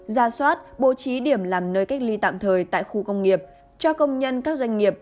ra soát bố trí điểm làm nơi cách ly tạm thời tại khu công nghiệp cho công nhân các doanh nghiệp